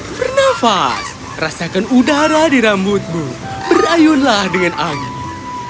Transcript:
bernafas rasakan udara di rambutmu berayunlah dengan angin